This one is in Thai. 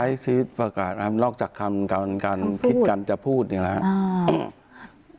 ใช้ชีวิตปกติรอกจากคำการการคิดกันจะพูดอย่างนี้แหละ